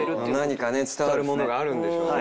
何かね伝わるものがあるんでしょうね。